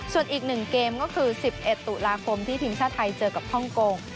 ส่วนอีก๑เกมก็คือ๑๑ตุลาคมที่ทีมชาติไทยเจอกับฮ่องกง